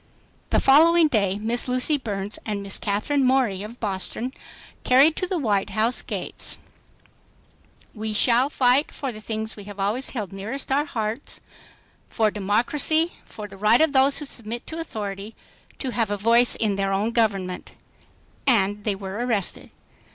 The following day Miss Lucy Burns and Miss Katherine Morey of Boston carried to the White House gates "We shall fight for the things we have always held nearest our hearts, for democracy, for the right of those who submit to authority to have a voice in their own government," and were arrested.